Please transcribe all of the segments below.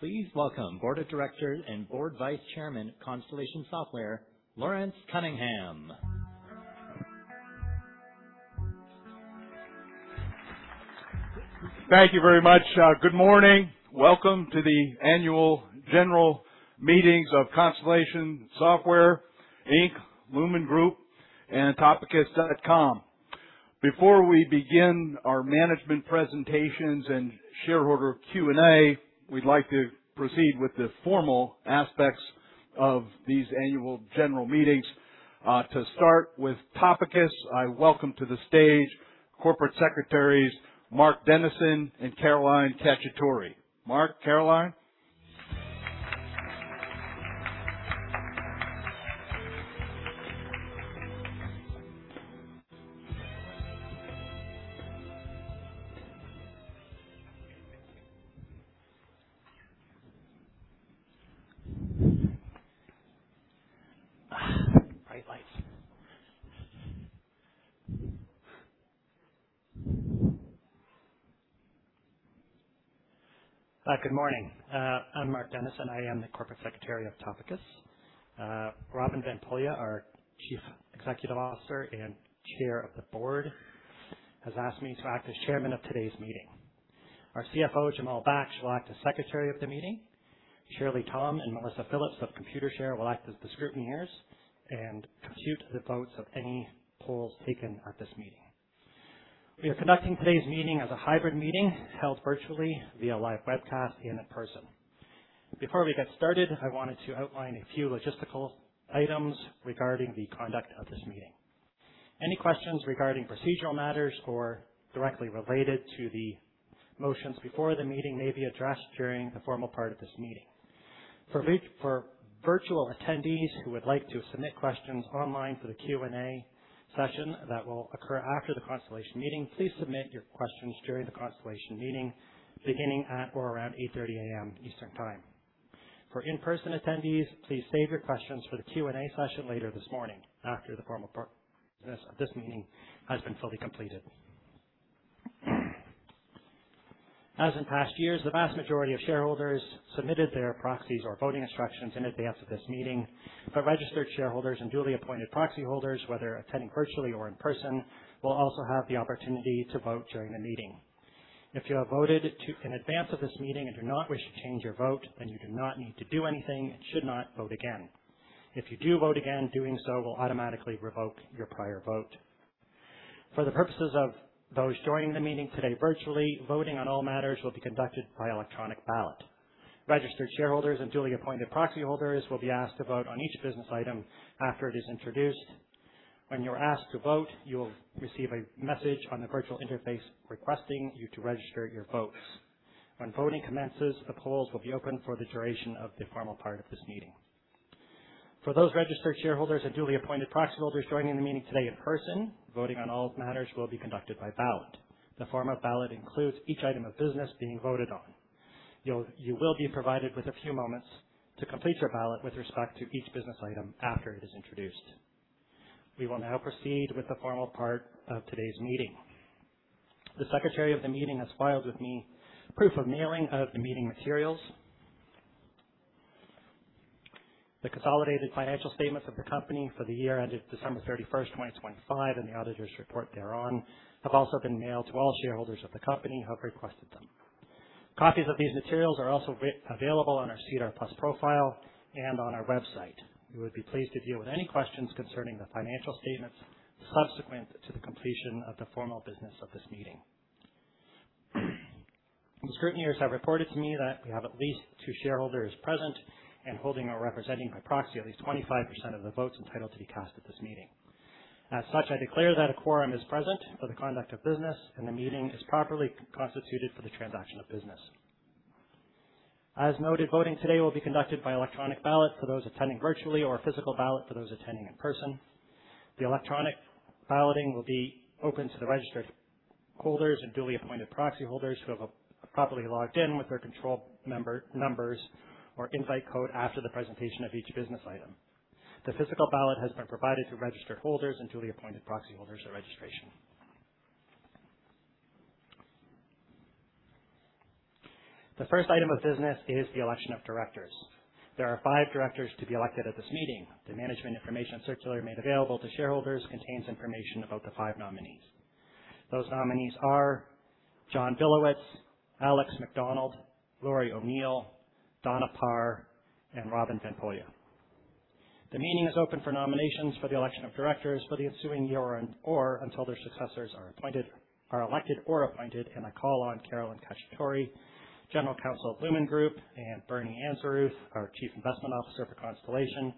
Please welcome Board of Directors and Board Vice Chairman, Constellation Software, Lawrence Cunningham. Thank you very much. Good morning. Welcome to the annual general meetings of Constellation Software Inc., Lumine Group, and Topicus.com. Before we begin our management presentations and shareholder Q&A, we'd like to proceed with the formal aspects of these annual general meetings. To start with Topicus, I welcome to the stage Corporate Secretaries Mark Dennison and Caroline Khachehtoori. Mark, Caroline. Bright lights. Good morning. I'm Mark Dennison. I am the Corporate Secretary of Topicus. Robin van Poelje, our Chief Executive Officer and Chair of the Board, has asked me to act as Chairman of today's meeting. Our CFO, Jamal Baksh, will act as Secretary of the meeting. Shirley Tom and Melissa Phillips of Computershare will act as the scrutineers and compute the votes of any polls taken at this meeting. We are conducting today's meeting as a hybrid meeting, held virtually via live webcast and in person. Before we get started, I wanted to outline a few logistical items regarding the conduct of this meeting. Any questions regarding procedural matters or directly related to the motions before the meeting may be addressed during the formal part of this meeting. For virtual attendees who would like to submit questions online for the Q&A session that will occur after the Constellation meeting, please submit your questions during the Constellation meeting, beginning at or around 8:30 A.M. Eastern Time. For in-person attendees, please save your questions for the Q&A session later this morning after the formal part of this meeting has been fully completed. As in past years, the vast majority of shareholders submitted their proxies or voting instructions in advance of this meeting. The registered shareholders and duly appointed proxy holders, whether attending virtually or in person, will also have the opportunity to vote during the meeting. If you have voted in advance of this meeting and do not wish to change your vote, you do not need to do anything and should not vote again. If you do vote again, doing so will automatically revoke your prior vote. For the purposes of those joining the meeting today virtually, voting on all matters will be conducted by electronic ballot. Registered shareholders and duly appointed proxy holders will be asked to vote on each business item after it is introduced. When you're asked to vote, you will receive a message on the virtual interface requesting you to register your votes. When voting commences, the polls will be open for the duration of the formal part of this meeting. For those registered shareholders and duly appointed proxy holders joining the meeting today in person, voting on all matters will be conducted by ballot. The form of ballot includes each item of business being voted on. You will be provided with a few moments to complete your ballot with respect to each business item after it is introduced. We will now proceed with the formal part of today's meeting. The secretary of the meeting has filed with me proof of mailing of the meeting materials. The consolidated financial statements of the company for the year ended December 31st, 2025, and the auditor's report thereon have also been mailed to all shareholders of the company who have requested them. Copies of these materials are also available on our SEDAR+ profile and on our website. We would be pleased to deal with any questions concerning the financial statements subsequent to the completion of the formal business of this meeting. The scrutineers have reported to me that we have at least two shareholders present and holding or representing by proxy at least 25% of the votes entitled to be cast at this meeting. As such, I declare that a quorum is present for the conduct of business, and the meeting is properly constituted for the transaction of business. As noted, voting today will be conducted by electronic ballot for those attending virtually or physical ballot for those attending in person. The electronic balloting will be open to the registered holders and duly appointed proxy holders who have properly logged in with their control numbers or invite code after the presentation of each business item. The physical ballot has been provided to registered holders and duly appointed proxy holders at registration. The first item of business is the election of directors. There are five directors to be elected at this meeting. The management information circular made available to shareholders contains information about the five nominees. Those nominees are John Billowits, Alex Macdonald, Lori O'Neill, Donna Parr, and Robin van Poelje. The meeting is open for nominations for the election of directors for the ensuing year or until their successors are elected or appointed. I call on Caroline Khachehtoori, General Counsel of Lumine Group, and Bernard Anzarouth, our Chief Investment Officer for Constellation,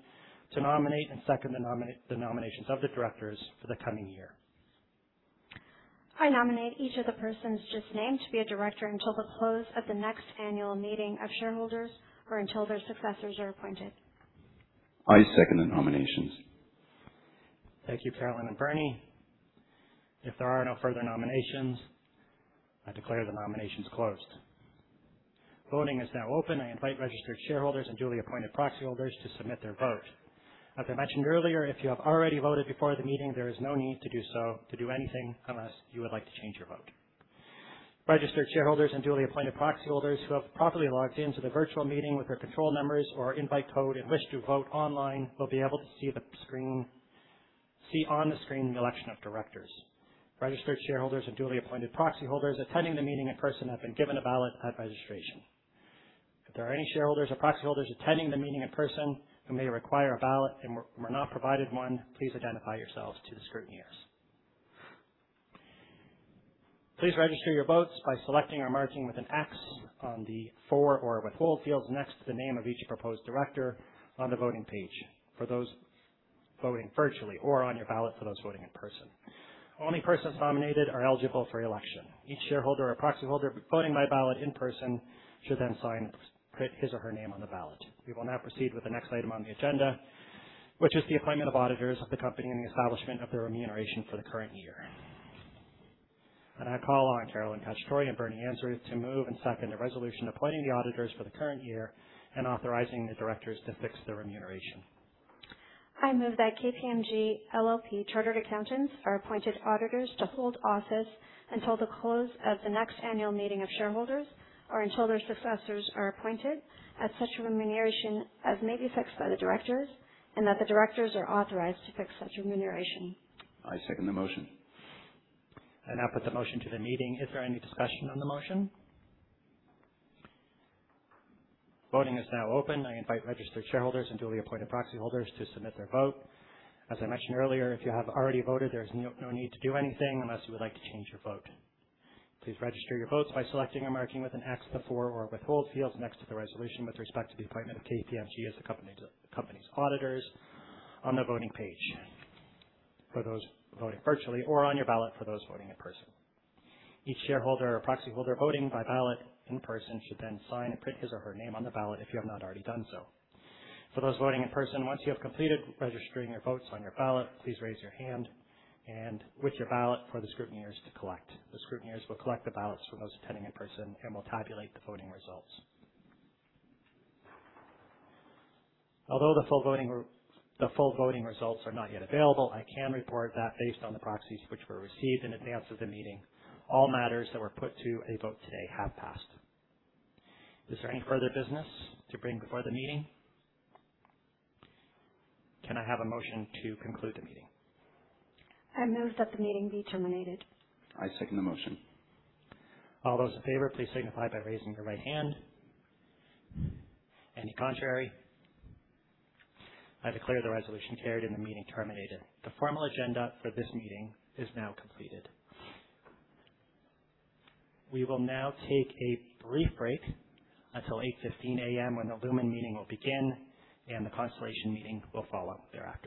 to nominate and second the nominations of the directors for the coming year. I nominate each of the persons just named to be a director until the close of the next annual meeting of shareholders or until their successors are appointed. I second the nominations. Thank you, Caroline and Bernie. If there are no further nominations, I declare the nominations closed. Voting is now open. I invite registered shareholders and duly appointed proxy holders to submit their vote. As I mentioned earlier, if you have already voted before the meeting, there is no need to do anything unless you would like to change your vote. Registered shareholders and duly appointed proxy holders who have properly logged into the virtual meeting with their control numbers or invite code and wish to vote online will be able to see on the screen the election of directors. Registered shareholders and duly appointed proxy holders attending the meeting in person have been given a ballot at registration. If there are any shareholders or proxy holders attending the meeting in person who may require a ballot and were not provided one, please identify yourselves to the scrutineers. Please register your votes by selecting or marking with an X on the For or Withhold fields next to the name of each proposed director on the voting page for those voting virtually or on your ballot for those voting in person. Only persons nominated are eligible for election. Each shareholder or proxy holder voting by ballot in person should sign and print his or her name on the ballot. We will now proceed with the next item on the agenda, which is the appointment of auditors of the company and the establishment of their remuneration for the current year. I call on Caroline Khachehtoori and Bernard Anzarouth to move and second the resolution appointing the auditors for the current year and authorizing the Directors to fix their remuneration. I move that KPMG LLP chartered accountants are appointed auditors to hold office until the close of the next annual meeting of shareholders or until their successors are appointed at such remuneration as may be fixed by the directors, and that the directors are authorized to fix such remuneration. I second the motion. I now put the motion to the meeting. Is there any discussion on the motion? Voting is now open. I invite registered shareholders and duly appointed proxy holders to submit their vote. As I mentioned earlier, if you have already voted, there's no need to do anything unless you would like to change your vote. Please register your votes by selecting or marking with an X the For or Withhold fields next to the resolution with respect to the appointment of KPMG as the company's auditors on the voting page for those voting virtually or on your ballot for those voting in person. Each shareholder or proxy holder voting by ballot in person should then sign and print his or her name on the ballot if you have not already done so. For those voting in person, once you have completed registering your votes on your ballot, please raise your hand with your ballot for the scrutineers to collect. The scrutineers will collect the ballots from those attending in person and will tabulate the voting results. Although the full voting results are not yet available, I can report that based on the proxies which were received in advance of the meeting, all matters that were put to a vote today have passed. Is there any further business to bring before the meeting? Can I have a motion to conclude the meeting? I move that the meeting be terminated. I second the motion. All those in favor, please signify by raising your right hand. Any contrary? I declare the resolution carried and the meeting terminated. The formal agenda for this meeting is now completed. We will now take a brief break until 8:15 A.M. when the Lumine meeting will begin, and the Constellation meeting will follow thereafter.